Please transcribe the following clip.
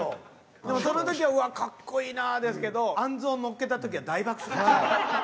でもその時はうわっかっこいいなですけどあんずをのっけた時は大爆笑でした。